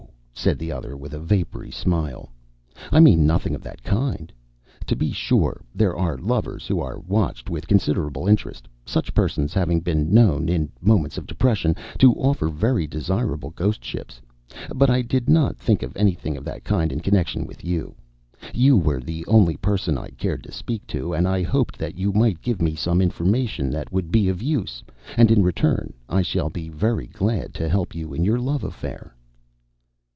said the other, with a vapory smile. "I mean nothing of that kind. To be sure, there are lovers who are watched with considerable interest, such persons having been known, in moments of depression, to offer very desirable ghost ships; but I did not think of anything of that kind in connection with you. You were the only person I cared to speak to, and I hoped that you might give me some information that would be of use; and, in return, I shall be very glad to help you in your love affair."